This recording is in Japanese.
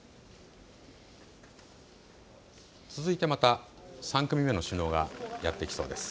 続いてまた３組目の首脳がやって来そうです。